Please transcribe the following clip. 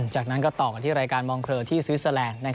จากนั้นก็ต่อกันที่รายการมองเคลอที่สวิสเตอร์แลนด์